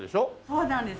そうなんです。